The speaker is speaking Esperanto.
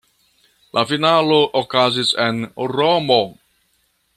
La finalo okazis en Romo.